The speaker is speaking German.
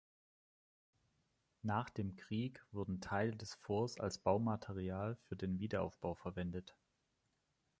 Nach dem Krieg wurden Teile des Forts als Baumaterial für den Wiederaufbau verwendet.